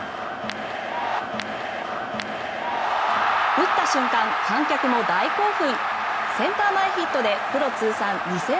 打った瞬間、観客も大興奮。